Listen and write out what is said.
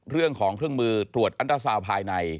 เรื่องของเครื่องมือตรวจอันตราซาวภายใน